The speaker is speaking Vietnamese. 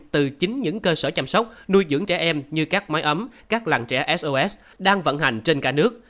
từ chính những cơ sở chăm sóc nuôi dưỡng trẻ em như các máy ấm các làng trẻ sos đang vận hành trên cả nước